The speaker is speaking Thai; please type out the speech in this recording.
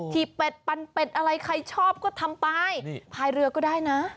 เป็ดปันเป็ดอะไรใครชอบก็ทำไปนี่พายเรือก็ได้นะ